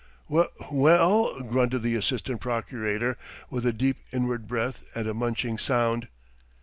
"W well?" grunted the assistant procurator, with a deep inward breath and a munching sound.